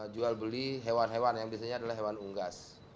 jual beli hewan hewan yang biasanya adalah hewan unggas